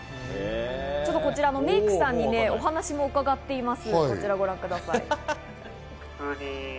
メイクさんにお話を伺っています。